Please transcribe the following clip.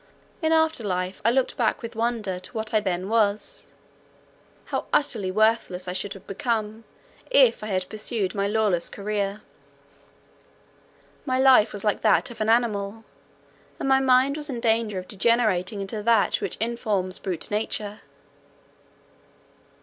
In after life I looked back with wonder to what I then was; how utterly worthless I should have become if I had pursued my lawless career. My life was like that of an animal, and my mind was in danger of degenerating into that which informs brute nature.